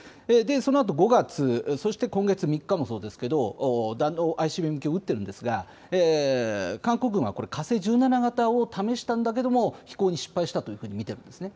そのあと５月、そして今月３日もそうですけれども、ＩＣＢＭ級を撃ってるんですが、韓国軍はこれ、火星１７型を試したんだけれども、飛行に失敗したというふうに見てるんですね。